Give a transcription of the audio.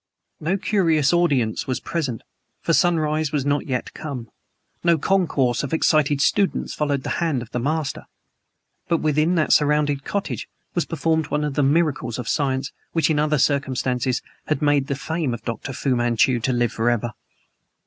No curious audience was present, for sunrise was not yet come; no concourse of excited students followed the hand of the Master; but within that surrounded cottage was performed one of those miracles of science which in other circumstances had made the fame of Dr. Fu Manchu to live forever.